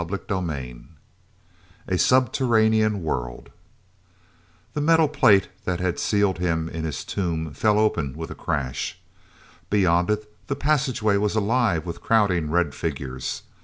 CHAPTER IX A Subterranean World he metal plate that had sealed him in this tomb fell open with a crash. Beyond it the passageway was alive with crowding red figures.